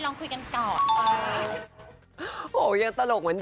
ลองคุยกันก่อน